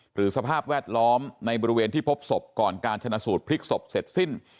สภาพแวดล้อมในบริเวณที่พบศพก่อนการชนะสูตรพลิกศพเสร็จสิ้น